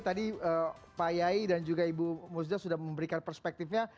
tadi pak yai dan juga ibu muzda sudah memberikan perspektifnya